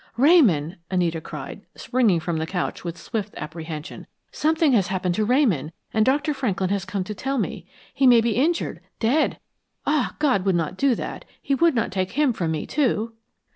"Ramon!" Anita cried, springing from the couch with swift apprehension. "Something has happened to Ramon, and Dr. Franklin has come to tell me. He may be injured, dead! Ah, God would not do that; He would not take him from me, too!"